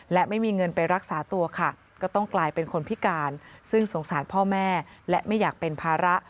และไม่มีเงินไปรักษาตัวค่ะก็ต้องกลายเป็นคนพิการซึ่งสงสารพ่อแม่และไม่อยากเป็นภาระ